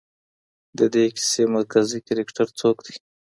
د دې کیسې مرکزي کرکټر څوک دی؟